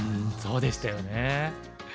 そうでしたよね。